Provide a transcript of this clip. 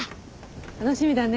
楽しみだね。